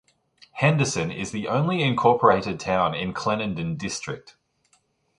Henderson is the only incorporated town in Clendenin District.